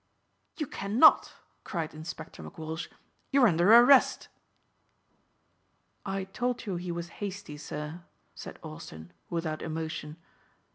"You cannot," cried Inspector McWalsh, "you're under arrest!" "I told you he was hasty, sir," said Austin without emotion.